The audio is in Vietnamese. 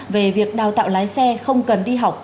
về việc đào tạo lái xe không cần đi học